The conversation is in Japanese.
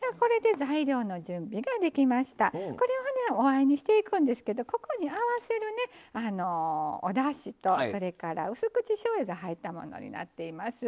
これはおあえにしていくんですけどここに合わせるねおだしとそれからうす口しょうゆが入ったものになっています。